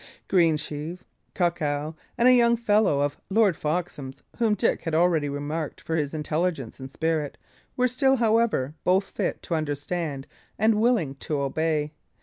Greensheve, Cuckow, and a young fellow of Lord Foxham's whom Dick had already remarked for his intelligence and spirit, were still, however, both fit to understand and willing to obey.